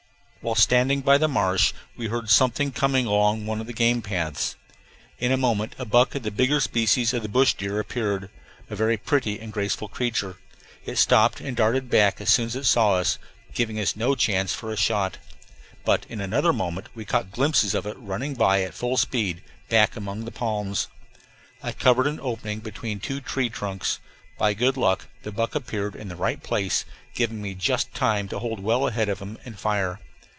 While standing by the marsh we heard something coming along one of the game paths. In a moment a buck of the bigger species of bush deer appeared, a very pretty and graceful creature. It stopped and darted back as soon as it saw us, giving us no chance for a shot; but in another moment we caught glimpses of it running by at full speed, back among the palms. I covered an opening between two tree trunks. By good luck the buck appeared in the right place, giving me just time to hold well ahead of him and fire.